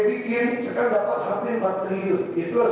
dia ini menjanjikan membangun rumah pompa